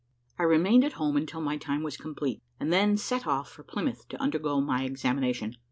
I remained at home until my time was complete, and then set off for Plymouth to undergo my examination.